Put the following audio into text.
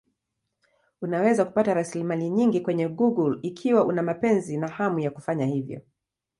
Unaweza kupata rasilimali nyingi kwenye Google ikiwa una mapenzi na hamu ya kufanya hivyo.